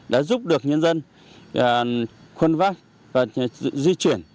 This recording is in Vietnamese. đã giúp được nhân dân khuân vác và di chuyển